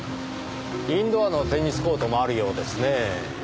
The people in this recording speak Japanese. インドアのテニスコートもあるようですねぇ。